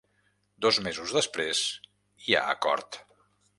Dos mesos després, hi ha acord.